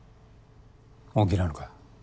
本気なのか？